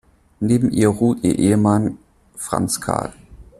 Neben ihr ruht ihr Ehemann Franz Karl.